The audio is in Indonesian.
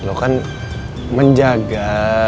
lo kan menjaga